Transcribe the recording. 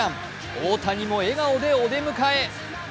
大谷も笑顔でお出迎え。